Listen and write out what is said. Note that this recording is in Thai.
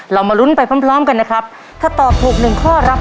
มาลุ้นไปพร้อมพร้อมกันนะครับถ้าตอบถูกหนึ่งข้อรับ